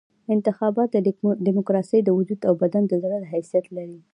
انتخابات د ډیموکراسۍ د وجود او بدن د زړه حیثیت لري.